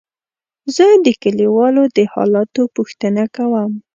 زه د کليوالو د حالاتو پوښتنه کوم.